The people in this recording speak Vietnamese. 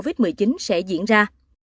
covid một mươi chín sẽ diễn ra